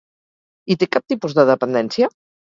I té cap tipus de dependència?